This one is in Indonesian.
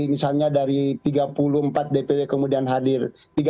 misalnya dari tiga puluh empat dpw kemudian hadir